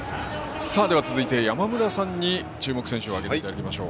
続いて山村さんに注目選手を挙げていただきます。